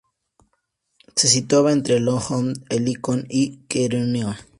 Se situaba entre el monte Helicón y Queronea.